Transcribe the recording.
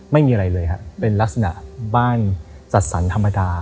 ไม่มีอะไรเลยครับเป็นลักษณะบ้านจัดสรรธรรมดา